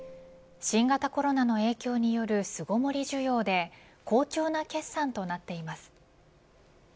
新型コロナの影響による巣ごもり需要で好調な決算となっています。